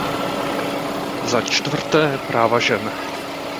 Za čtvrté, práva žen.